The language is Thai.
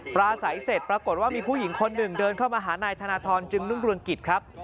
ปลาใสเสร็จปรากฏว่ามีผู้หญิงคนหนึ่งเดินเข้ามาหานายธนทรจึงรุ่งเรืองกิจครับ